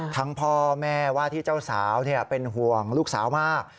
พ่อแม่ว่าที่เจ้าสาวเป็นห่วงลูกสาวมาก